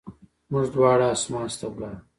موږ دواړه اسماس ته ولاړو.